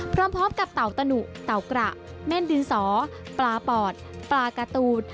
พร้อมกับเต่าตะหนุเต่ากระแม่นดินสอปลาปอดปลาการ์ตูน